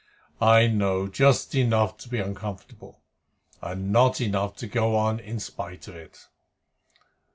I know just enough to be uncomfortable, and not enough to go on in spite of it."